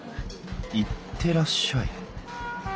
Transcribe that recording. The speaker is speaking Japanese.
行ってらっしゃい？